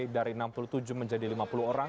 dari enam puluh tujuh menjadi lima puluh orang